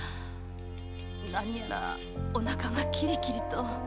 何やらおなかがキリキリと。